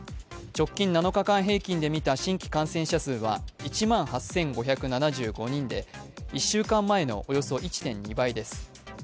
直近７日間平均で見た新規感染者数は１万８５７５人で、１週間前のおよそ１．２倍です。